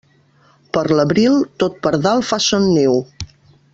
Per l'abril, tot pardal fa son niu.